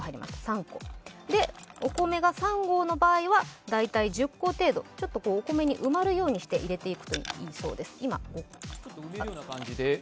お米が３合の場合は大体１０個程度、お米に埋まるようにして入れていくといいそうです。